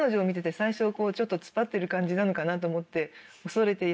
ちょっと突っ張ってる感じなのかなと思って。